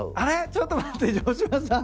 ⁉ちょっと待って城島さん。